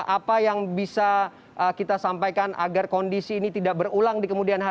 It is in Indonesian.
apa yang bisa kita sampaikan agar kondisi ini tidak berulang di kemudian hari